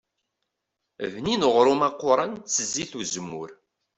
Bnin uɣrum aquran s zzit n uzemmur.